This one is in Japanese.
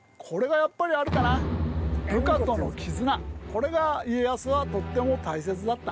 これが家康はとっても大切だった。